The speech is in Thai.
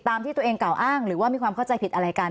ที่ตัวเองกล่าวอ้างหรือว่ามีความเข้าใจผิดอะไรกัน